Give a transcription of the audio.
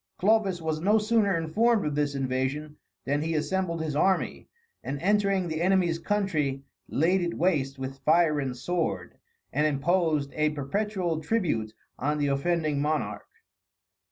Clovis was no sooner informed of this invasion, than he assembled his army, and entering the enemy's country, laid it waste with fire and sword, and imposed a perpetual tribute on the offending monarch.